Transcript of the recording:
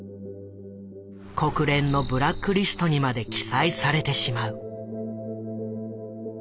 国連のブラックリストにまで記載されてしまう。